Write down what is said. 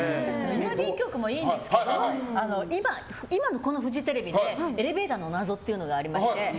郵便局もいいんですけど今のフジテレビでエレベーターの謎っていうのがありまして。